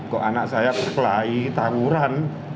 kok anak saya terpelai tangguran